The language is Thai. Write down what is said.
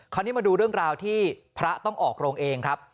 มาดูเรื่องราวที่พระต้องออกโรงเองครับ